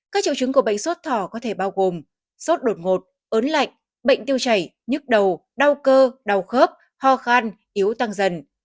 các triệu chứng của bệnh sốt thỏ có thể bao gồm sốt đột ngột ớn lạnh bệnh tiêu chảy nhức đầu đau cơ đau khớp ho khan yếu tăng dần